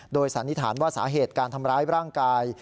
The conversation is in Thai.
โดยสันนิษฐานว่าสาเหตุการทำร้ายร่างกาย